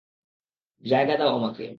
জায়গা দাও আমাকে।